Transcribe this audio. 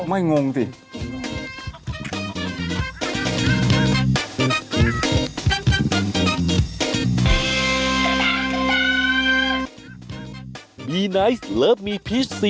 มีสารตั้งต้นเนี่ยคือยาเคเนี่ยใช่ไหมคะ